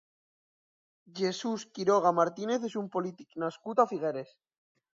Jesús Quiroga Martínez és un polític nascut a Figueres.